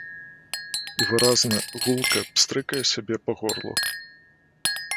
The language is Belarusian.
І выразна, гулка пстрыкае сябе па горлу.